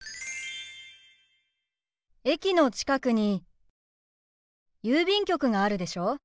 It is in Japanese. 駅の近くに郵便局があるでしょ。